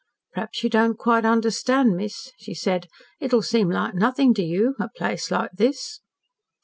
"P'raps you don't quite understand, miss," she said. "It'll seem like nothin' to you a place like this."